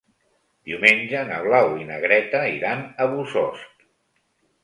Diumenge na Blau i na Greta iran a Bossòst.